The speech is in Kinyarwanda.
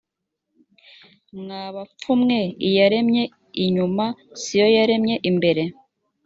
mwa bapfu mwe iyaremye inyuma si yo yaremye imbere.